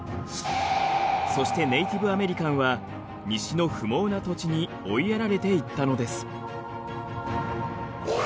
そしてネイティブアメリカンは西の不毛な土地に追いやられていったのです。